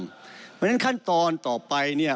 เพราะฉะนั้นขั้นตอนต่อไปเนี่ย